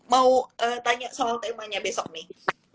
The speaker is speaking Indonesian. mau tanya soal temanya besok nih